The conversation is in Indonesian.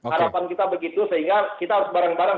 harapan kita begitu sehingga kita harus bareng bareng